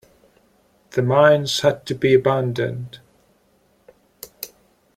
The mines had to be abandoned.